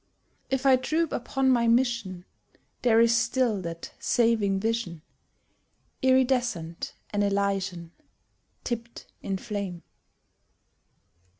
If I droop upon my mission, There is still that saving vision, Iridescent and Elysian, Tipped in flame.